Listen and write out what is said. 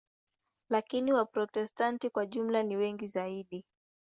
Lakini Waprotestanti kwa jumla ni wengi zaidi.